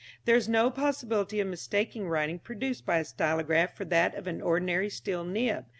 There is no possibility of mistaking writing produced by a stylograph for that of an ordinary steel nib.